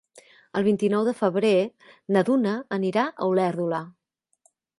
El vint-i-nou de febrer na Duna anirà a Olèrdola.